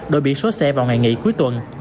đổi biển số xe vào ngày nghỉ cuối tuần